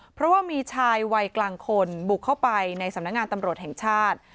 เพราะว่ามีชายวัยกลางคนบุกเข้าไปในสำนักงานตำรวจแห่งชาติ